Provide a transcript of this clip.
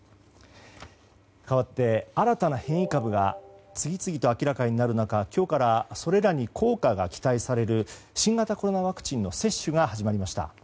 かわって、新たな変異株が次々と明らかになる中今日からそれらに効果が期待される新型コロナワクチンの接種が始まりました。